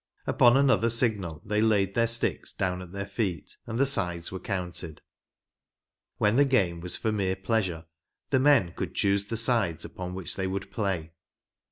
Upon another signal they laid their sticks down at their feet, and the sides were counted. When the game was for mere pleasure, the men could choose the sides upon which they would play.